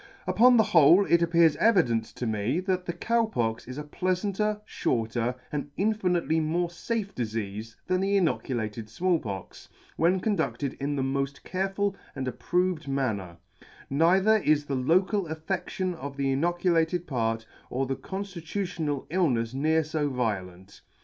" Upon the whole, it appears evident to me, that the Cow Pox is a pleafanter, fhorter, and infinitely more fafe difeafe than the inoculated Small Pox, when conducted in the mod: careful and approved manner; neither is the local affedtion of the inoculated part, or the conftitutional illnefs near fo violent.